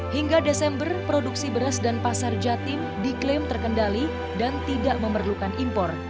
hingga desember produksi beras dan pasar jatim diklaim terkendali dan tidak memerlukan impor